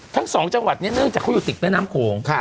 ทั้งสองจังหวัดเนี่ยเนื่องจากเขาอยู่ติดแม่น้ำโขง